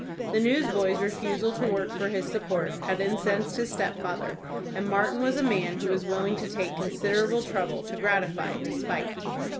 The newsboy's refusal to work for his support had incensed his stepfather, and Martin was a man who was willing to take considerable trouble to gratify his spite.